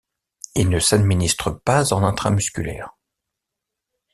Il ne s'administre pas en intramusculaire.